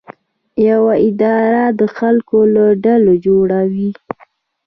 یوه اداره د خلکو له ډلو جوړه وي.